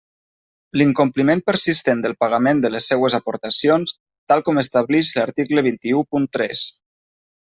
L'incompliment persistent del pagament de les seues aportacions, tal com establix l'article vint-i-u punt tres.